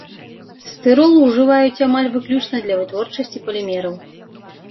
Стырол ўжываюць амаль выключна для вытворчасці палімераў.